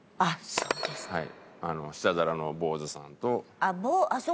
そうですねはい。